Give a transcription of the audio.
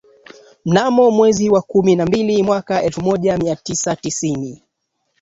mnamo mwezi wa kumi na mbili mwaka elfu moja mia tisa tisini